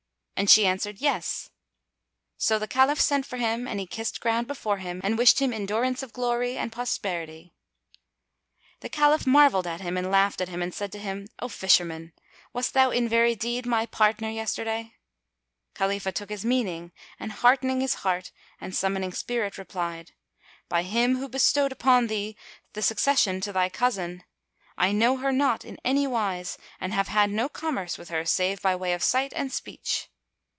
and she answered, "Yes." So the Caliph sent for him and he kissed ground before him and wished him endurance of glory and prosperity. The Caliph marvelled at him and laughed at him and said to him, "O Fisherman, wast thou in very deed my partner [FN#255] yesterday?" Khalifah took his meaning and heartening his heart and summoning spirit replied, "By Him who bestowed upon thee the succession to thy cousin, [FN#256] I know her not in anywise and have had no commerce with her save by way of sight and speech!"